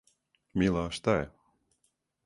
Мила, шта је?